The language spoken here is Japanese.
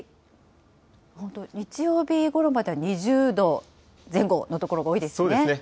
本当、日曜日ごろまでは２０度前後の所が多いですね。